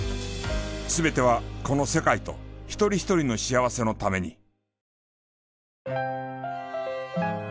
全てはこの世界と一人一人の幸せのために。